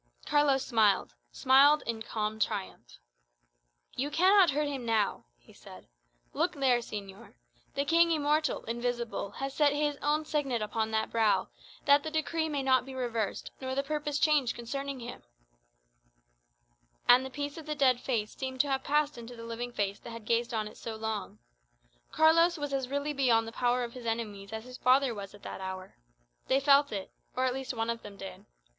Carlos smiled smiled in calm triumph. "You cannot hurt him now," he said. "Look there, señor. The King immortal, invisible, has set his own signet upon that brow, that the decree may not be reversed nor the purpose changed concerning him." And the peace of the dead face seemed to have passed into the living face that had gazed on it so long. Carlos was as really beyond the power of his enemies as his father was that hour. They felt it; or at least one of them did.